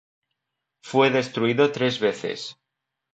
Fue destruido tres veces.